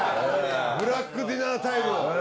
ブラックディナータイムあ